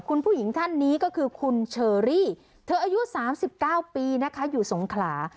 คุณผู้หญิงท่านนี้ก็คือคุณเชอรี่เธออายุ๓๙ปีนะคะอยู่สงขลา